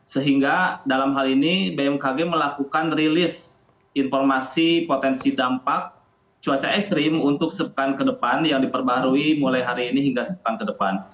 sehingga dalam hal ini bmkg melakukan rilis informasi potensi dampak cuaca ekstrim untuk sepekan ke depan yang diperbarui mulai hari ini hingga sepekan ke depan